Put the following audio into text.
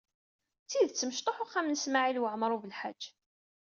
D tidet, mecṭuḥ uxxam n Smawil Waɛmaṛ U Belḥaǧ.